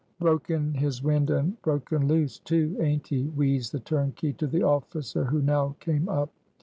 "Broken his wind, and broken loose, too, aint he?" wheezed the turnkey to the officer who now came up.